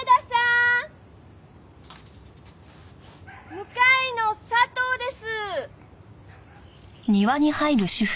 向かいの佐藤です！